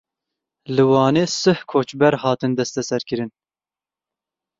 Li Wanê sih koçber hatin desteserkirin.